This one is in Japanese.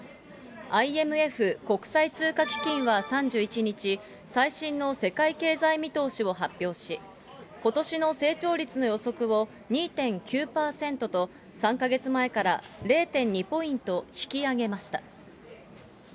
ＩＭＦ・国際通貨基金は３１日、最新の世界経済見通しを発表し、ことしの成長率の予測を２．９％と、３か月前から０．２ポイント引き上げました。